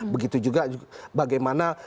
begitu juga bagaimana